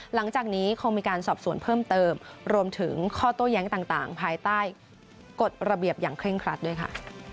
หลังจากนี้คงมีการสอบสวนเพิ่มเติมรวมถึงข้อโต้แย้งต่างภายใต้กฎระเบียบอย่างเคร่งครัดด้วยค่ะ